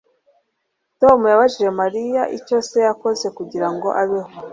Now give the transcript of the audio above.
Tom yabajije Mariya icyo se yakoze kugirango abeho